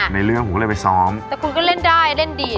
ในเรื่องผมก็เลยไปซ้อมแต่คุณก็เล่นได้เล่นดี